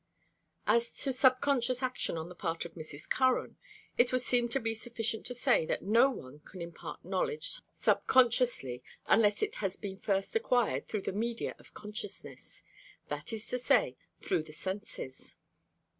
As to subconscious action on the part of Mrs. Curran, it would seem to be sufficient to say that no one can impart knowledge subconsciously, unless it has been first acquired through the media of consciousness; that is to say, through the senses.